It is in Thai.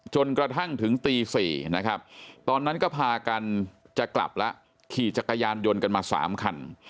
จนกระทั่งถึงตี๔นะครับตอนนั้นก็พากันจะกลับแล้วขี่จักรยานยนต์กันมา๓คัน